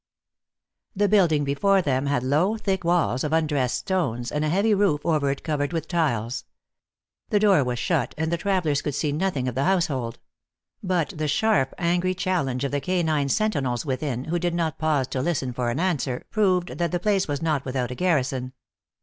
THE building before them had low, thick walls, of undressed stones, and a heavy roof over it covered with tiles. The door was shut, and the travelers could see nothing of the household ; but the sharp, angry challenge of the canine sentinels within, who did not pause to listen for an answer, proved that the place was not without a garrison.